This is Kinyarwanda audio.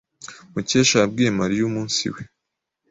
Mukesha yabwiye Mariya umunsi we.